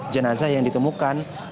jenazah yang ditemukan